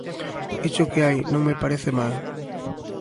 Éche o que hai. Non me parece mal.